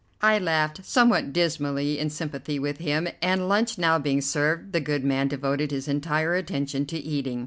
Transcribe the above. I laughed somewhat dismally in sympathy with him, and, lunch now being served, the good man devoted his entire attention to eating.